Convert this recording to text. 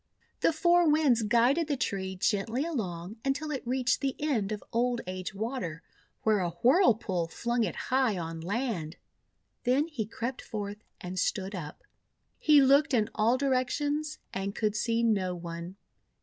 The Four Winds guided the tree gently along until it reached the end of Old Age Water, where a whirlpool flung it high on land. Then he crept forth and stood up. He looked in all directions and could see no one.